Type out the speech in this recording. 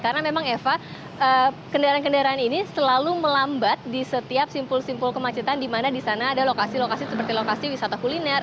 karena memang eva kendaraan kendaraan ini selalu melambat di setiap simpul simpul kemacetan di mana di sana ada lokasi lokasi seperti lokasi wisata kuliner